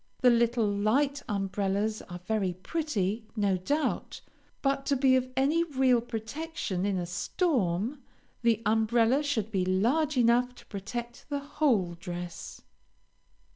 The little light umbrellas are very pretty, no doubt, but to be of any real protection in a storm, the umbrella should be large enough to protect the whole dress.